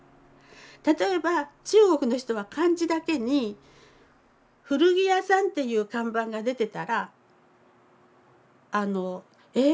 例えば中国の人は漢字だけに古着屋さんっていう看板が出てたらあのえ？